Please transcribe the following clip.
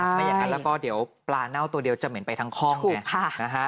ไม่อย่างนั้นแล้วก็เดี๋ยวปลาเน่าตัวเดียวจะเหม็นไปทั้งห้องไงนะฮะ